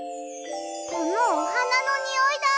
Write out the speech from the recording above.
このおはなのにおいだ！